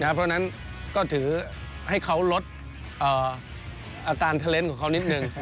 เพราะฉะนั้นก็ถือให้เขาลดอาการเทลนด์ของเขานิดนึง